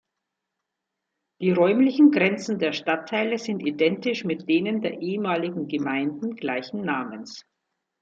Die räumlichen Grenzen der Stadtteile sind identisch mit denen der ehemaligen Gemeinden gleichen Namens.